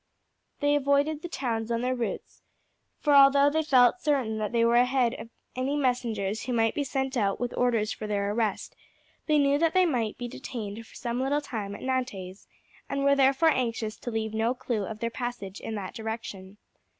They avoided the towns on their routes, for although they felt certain that they were ahead of any messengers who might be sent out with orders for their arrest, they knew that they might be detained for some little time at Nantes, and were therefore anxious to leave no clue of their passage in that direction.